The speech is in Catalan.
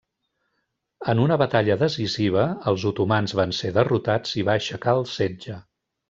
En una batalla decisiva, els otomans van ser derrotats i va aixecar el setge.